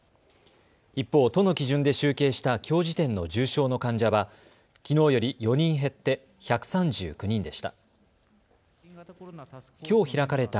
一方、都の基準で集計したきょう時点の重症の患者はきのうより４人減って１３９人でした。